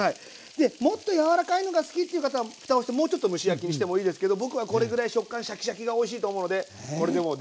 でもっと柔らかいのが好きっていう方はふたをしてもうちょっと蒸し焼きにしてもいいですけど僕はこれぐらい食感シャキシャキがおいしいと思うのでこれでもう出来上がりにしちゃいます。